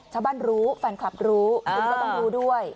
ชาวบ้านรู้แฟนคลับรู้คุณก็ต้องรู้ด้วย